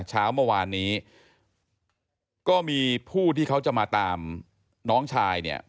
เช้าเมื่อวานนี้ก็มีผู้ที่เขาจะมาตามน้องชายเนี่ย